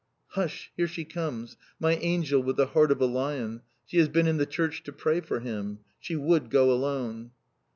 "Hush! Here she comes. My angel, with the heart of a lion. She has been in the church to pray for him! She would go alone."